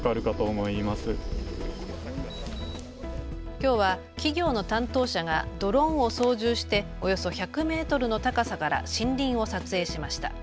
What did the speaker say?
きょうは企業の担当者がドローンを操縦しておよそ１００メートルの高さから森林を撮影しました。